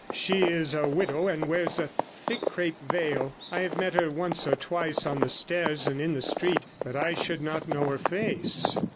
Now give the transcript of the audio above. She is a widow, and wears a thick crape veil. I have met her once or twice on the stairs and in the street; but I should not know her face.'